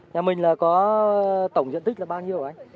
nhà mình là có tổng diện tích là bao nhiêu anh